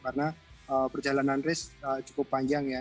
karena perjalanan race cukup panjang ya